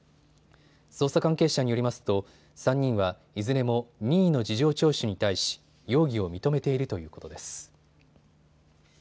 捜査関係者によりますと３人はいずれも任意の事情聴取に対し容疑を認めているということです。